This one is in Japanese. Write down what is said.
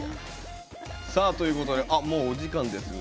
さあということでもうお時間ですね。